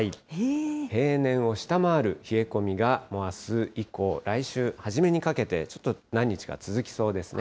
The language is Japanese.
平年を下回る冷え込みが、もうあす以降、来週初めにかけて、ちょっと何日か続きそうですね。